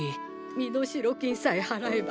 身代金さえ払えば。